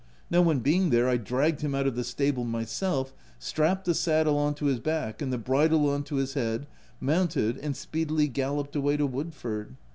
No one being there, I dragged him out of the stable myself, strapped the saddle on to his back and the bridle on to his head, mounted, and speedily galloped away to Woodford.